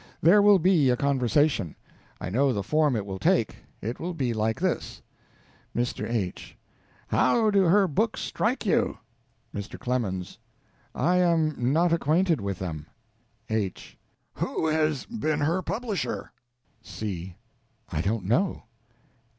There will be a conversation. I know the form it will take. It will be like this: MR. H. How do her books strike you? MR. CLEMENS. I am not acquainted with them. H. Who has been her publisher? C. I don't know.